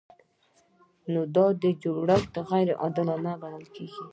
نو دا جوړښت غیر عادلانه ګڼل کیږي.